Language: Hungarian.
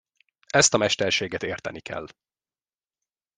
Ezt a mesterséget érteni kell.